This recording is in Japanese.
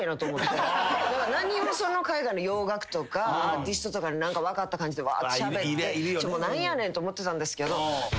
何をその海外の洋楽とかアーティストとか分かった感じでわってしゃべって何やねんって思ってたんですけど。